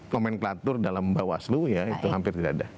komentatur dalam bawah selu ya itu hampir tidak ada